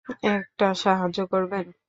একটা সাহায্য করবেন?